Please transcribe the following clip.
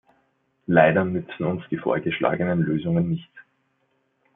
Leider nützen uns die vorgeschlagenen Lösungen nichts.